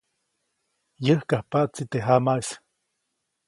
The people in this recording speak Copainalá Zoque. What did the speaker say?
Yäjkajpaʼtsi teʼ jamaʼis.